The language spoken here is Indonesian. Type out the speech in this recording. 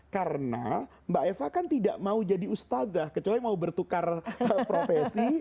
karena mbak eva kan tidak mau jadi ustadah kecuali mau bertukar profesi